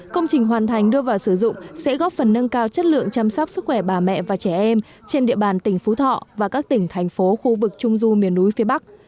công trình hoàn thành đưa vào sử dụng sẽ góp phần nâng cao chất lượng chăm sóc sức khỏe bà mẹ và trẻ em trên địa bàn tỉnh phú thọ và các tỉnh thành phố khu vực trung du miền núi phía bắc